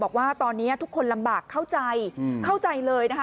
บอกว่าตอนนี้ทุกคนลำบากเข้าใจเข้าใจเลยนะคะ